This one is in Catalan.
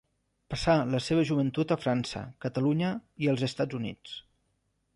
Passà la seva joventut a França, Catalunya i als Estats Units.